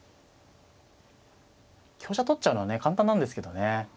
香車を取っちゃうのは簡単なんですけどね。